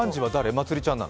まつりちゃんなの？